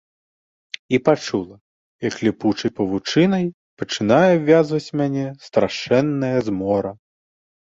І пачула, як ліпучай павучынай пачынае абвязваць мяне страшэнная змора.